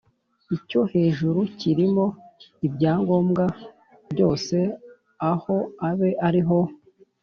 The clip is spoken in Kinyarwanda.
icyo hejuru kirimo ibyangombwa byose aho abe ari ho